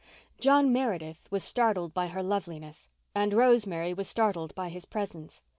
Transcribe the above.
John Meredith was startled by her loveliness and Rosemary was startled by his presence.